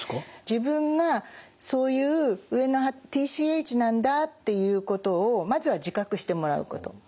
自分がそういうＴＣＨなんだっていうことをまずは自覚してもらうこと。